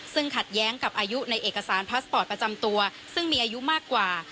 ซึ่งขัดแย้งกับอายุในเอกสารพาสปอร์ตประจำตัวซึ่งมีอายุมากกว่า